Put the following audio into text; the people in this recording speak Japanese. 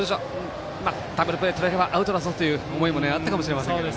ダブルプレーとれればアウトだぞという思いもあったかもしれません。